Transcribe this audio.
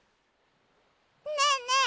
ねえねえ